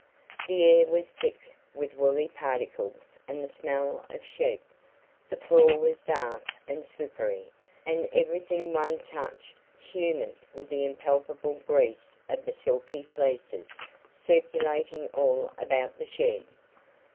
The air was thick with woolly particles and the smell of sheep; the floor was dark and slippery, and everything one touched humid with the impalpable grease of the silky fleeces circulating all about the shed.